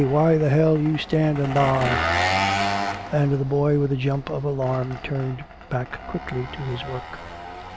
Why the hell you standin' thar?" And the boy with a jump of alarm turned back quickly to his work.